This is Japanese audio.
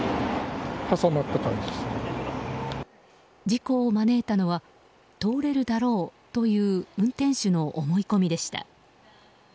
事故を招いたのは通れるだろうという運転手の思い込みでした。